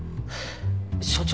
所長